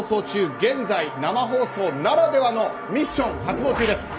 現在、生放送ならではのミッション発動中です。